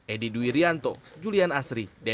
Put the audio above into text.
edi duwirianto julian asri depok jawa barat